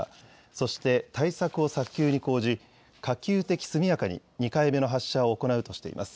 そして、対策を早急に講じ、可及的速やかに２回目の発射を行うとしています。